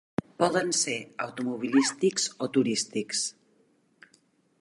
Poden ser automobilístics o turístics.